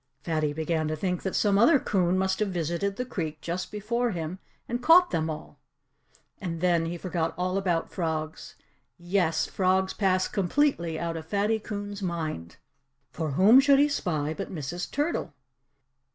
Fatty began to think that some other coon must have visited the creek just before him and caught them all. And then he forgot all about frogs. Yes! Frogs passed completely out of Fatty Coon's mind. For whom should he spy but Mrs. Turtle!